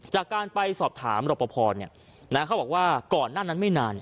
จากการไปสอบถามรปภเขาบอกว่าก่อนหน้านั้นไม่นาน